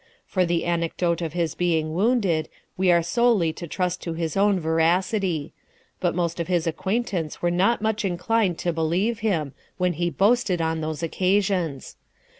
For the anecdote of his being wounded, we are solely to trust to his own veracity ; but most of his acquaintance were not much inclined to believe him, when he boasted on those occasions.